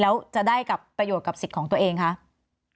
แล้วจะได้กับประโยชน์กับสิทธิ์ของตัวเองคะ